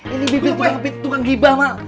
ini bibir tukang bibah mak